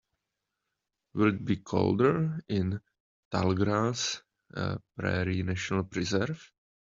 Will it be colder in Tallgrass Prairie National Preserve?